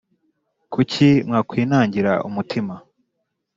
Kuki mwakwinangira umutima